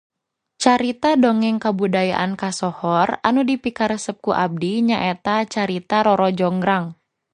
Carita dongeng kabudayaan kasohor anu dipikaresep ku abdi nyaeta carita roro jongrang.